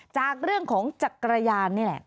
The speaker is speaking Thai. จากเรื่องของจักรยานนี่แหละ